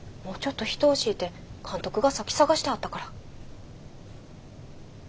もうちょっと人欲しいて監督がさっき探してはったから。